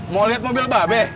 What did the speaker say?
mau liat mobil babeh